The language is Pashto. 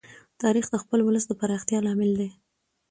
تاریخ د خپل ولس د پراختیا لامل دی.